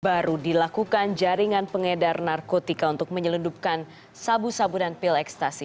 baru dilakukan jaringan pengedar narkotika untuk menyelundupkan sabu sabu dan pil ekstasi